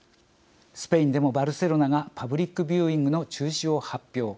スペインでもバルセロナがパブリックビューイングの中止を発表。